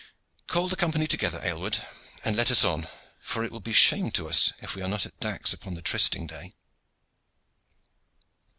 Call the Company together, Aylward; and let us on, for it will be shame to us if we are not at Dax upon the trysting day."